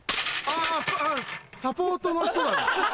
あっサポートの人なの？